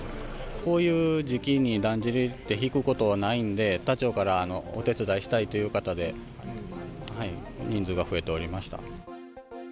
こういう時期にだんじりって引くことないんで、他町からお手伝いしたいという方で、人数が増えておりました。